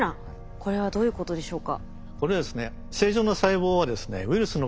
これはどういうことでしょうか？